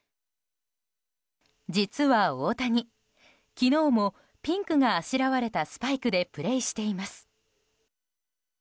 実は大谷、昨日もピンクがあしらわれたスパイクでプレーしています。